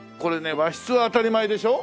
和室は当たり前でしょ？